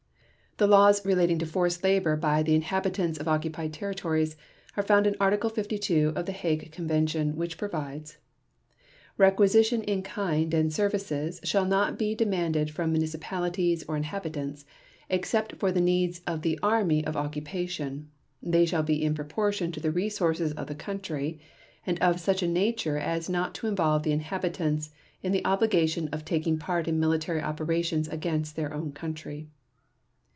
The laws relating to forced labor by the inhabitants of occupied territories are found in Article 52 of the Hague Convention, which provides: "Requisition in kind and services shall not be demanded from municipalities or inhabitants except for the needs of the army of occupation. They shall be in proportion to the resources of the country, and of such a nature as not to involve the inhabitants in the obligation of taking part in military operations against their own country."